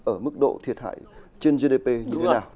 ở mức độ thiệt hại trên gdp như thế nào